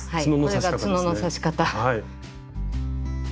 これがつのの刺し方。